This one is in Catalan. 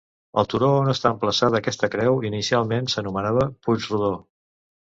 El turó on està emplaçada aquesta creu, inicialment s'anomenava Puig Rodó.